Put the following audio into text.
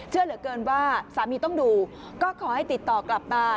เชื่อเหลือเกินว่าสามีต้องดูก็ขอให้ติดต่อกลับมา